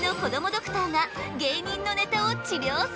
ドクターが芸人のネタを治りょうする！